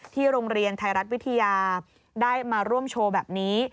โรงเรียนไทยรัฐวิทยาได้มาร่วมโชว์แบบนี้